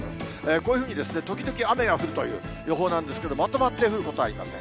こういうふうに時々雨が降るという予報なんですけど、まとまって降ることはありません。